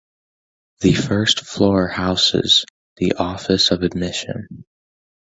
The first floor houses the Office of Admission.